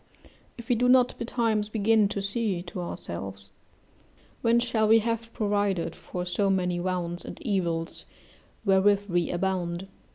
If we do not betimes begin to see to ourselves, when shall we have provided for so many wounds and evils wherewith we abound?